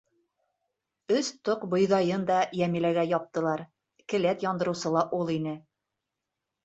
Өс тоҡ бойҙайын да Йәмиләгә яптылар, келәт яндырыусы ла ул ине.